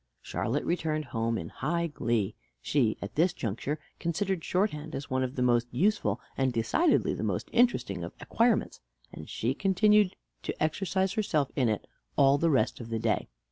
Charlotte returned home in high glee. She at this juncture considered shorthand as one of the most useful, and decidedly the most interesting of acquirements; and she continued to exercise herself in it all the rest of the day.